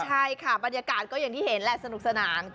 ใช่ค่ะบรรยากาศก็อย่างที่เห็นแหละสนุกสนาน